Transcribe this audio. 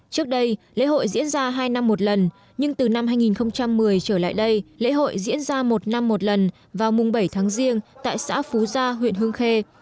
trước đây lễ hội diễn ra hai năm một lần nhưng từ năm hai nghìn một mươi trở lại đây lễ hội diễn ra một năm một lần vào mùng bảy tháng riêng tại xã phú gia huyện hương khê